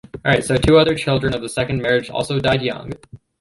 Two other children of the second marriage also died young.